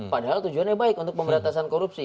padahal tujuannya baik untuk pemberantasan korupsi